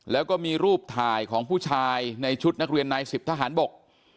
แล้วก็มีรูปถ่ายของผู้ชายในชุดนักเรียนนายสิบทหารบก